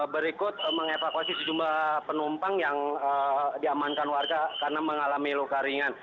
berikut mengevakuasi sejumlah penumpang yang diamankan warga karena mengalami luka ringan